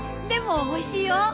でもおいしいよ。